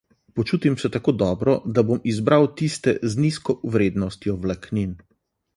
Počutim se tako dobro, da bom izbral tiste z nizko vrednostjo vlaknin.